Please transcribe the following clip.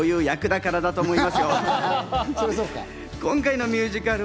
そういう役だからだと思いますよ。